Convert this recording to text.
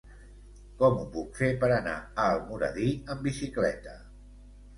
Com ho puc fer per anar a Almoradí amb bicicleta?